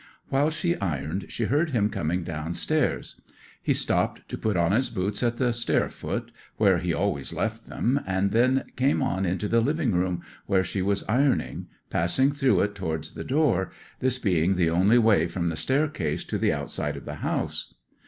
While she ironed she heard him coming down stairs; he stopped to put on his boots at the stair foot, where he always left them, and then came on into the living room where she was ironing, passing through it towards the door, this being the only way from the staircase to the outside of the house.